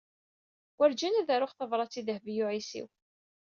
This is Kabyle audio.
Werjin ad aruɣ tabṛat i Dehbiya u Ɛisiw.